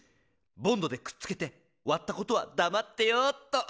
ボンドでくっつけてわったことはだまってよっと！